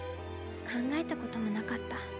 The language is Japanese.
かんがえたこともなかった。